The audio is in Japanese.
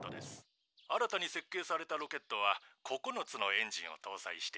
新たに設計されたロケットは９つのエンジンを搭載していて」。